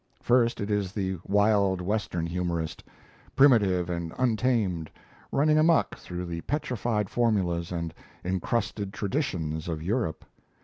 First it is the Wild Western humorist, primitive and untamed, running amuck through the petrified formulas and encrusted traditions of Europe.